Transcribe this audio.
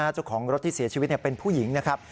เจ้าของรถที่เสียชีวิตเป็นผู้หญิงนะครับ